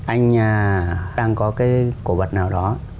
anh đang có cái cổ vật nào đó